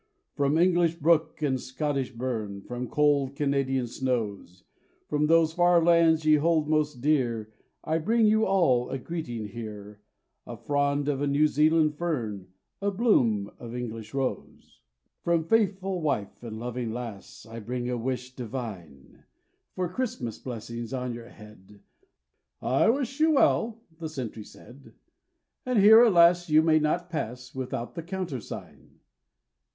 'From English brook and Scottish burn, From cold Canadian snows, From those far lands ye hold most dear I bring you all a greeting here, A frond of a New Zealand fern, A bloom of English rose. 'From faithful wife and loving lass I bring a wish divine, For Christmas blessings on your head.' 'I wish you well,' the sentry said, But here, alas! you may not pass Without the countersign.'